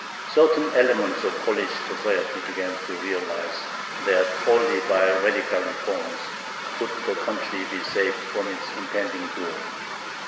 Certain elements of Polish society began to realize that only by radical reforms could the country be saved from its impending doom.